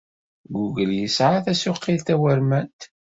Google yesɛa tasuqilt tawurmant.